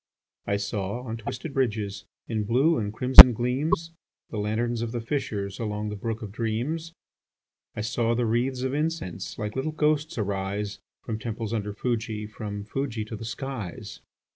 I saw, on twisted bridges, In blue and crimson gleams, The lanterns of the fishers, Along the brook of dreams. I saw the wreathes of incense Like little ghosts arise, From temples under Fuji, From Fuji to the skies.